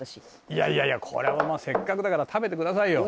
「いやいやいやこれはもうせっかくだから食べてくださいよ」